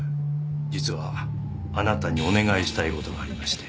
実はあなたにお願いしたい事がありまして。